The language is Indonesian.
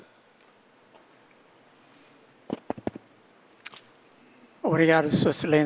terima kasih tuan presiden